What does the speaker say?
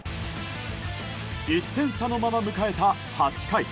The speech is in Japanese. １点差のまま迎えた８回。